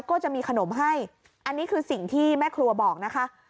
ก็จะมีขนมให้อันนี้คือสิ่งที่แม่ครัวบอกนะคะ